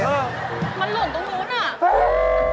มันหล่นตรงนู้นอ่า